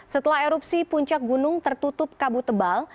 setelah erupsi puncak gunung tertutup kabut tebal